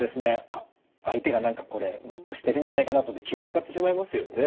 あっ相手が何かこれムッとしてるんじゃないかなと思って気を遣ってしまいますよね。